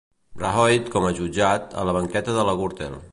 Rajoy, com a jutjat, a la banqueta de la Gürtel.